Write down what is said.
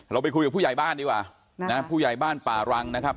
ไปคุยกับผู้ใหญ่บ้านดีกว่านะผู้ใหญ่บ้านป่ารังนะครับ